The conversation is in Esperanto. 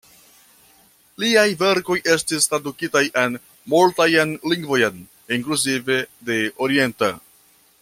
Liaj verkoj estis tradukitaj en multajn lingvojn, inkluzive de orienta.